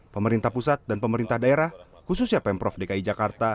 pemerintah pusat dan pemerintah daerah khususnya pemprov dki jakarta